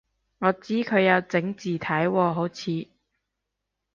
我知佢有整字體喎好似